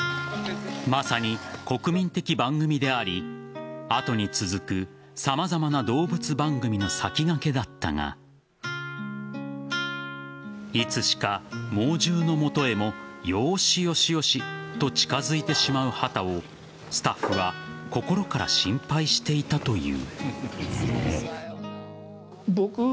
まさに国民的番組であり後に続く様々な動物番組の先駆けだったがいつしか猛獣の元へもよーし、よしよしと近づいてしまう畑をスタッフは心から心配していたという。